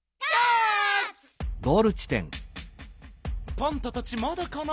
パンタたちまだかな？